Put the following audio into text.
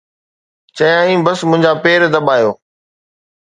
چيائين، ”بس منهنجا پير دٻايو.